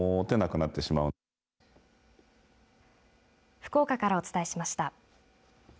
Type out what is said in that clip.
福岡からお伝えしました。